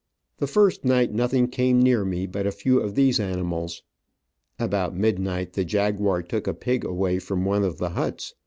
The first night nothing came near me but a few of these animals. About midnight the jaguar took a pig away from one of the huts.